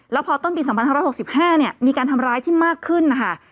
แล้วพอต้นปี๒๕๖๕มีการทำร้ายที่มากขึ้นนะคะ